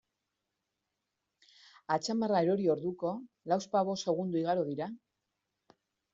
Atzamarra erori orduko, lauzpabost segundo igaro dira?